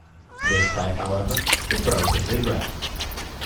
This type, however, is relatively rare.